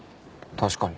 確かに。